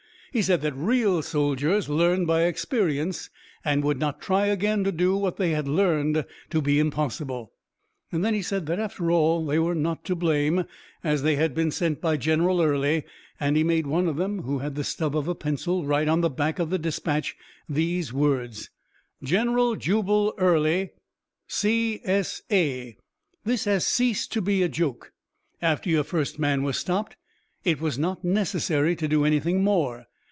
He said that real soldiers learned by experience, and would not try again to do what they had learned to be impossible. "Then he said that after all they were not to blame, as they had been sent by General Early, and he made one of them who had the stub of a pencil write on the back of the dispatch these words: 'General Jubal Early, C. S. A.: This has ceased to be a joke. After your first man was stopped, it was not necessary to do anything more.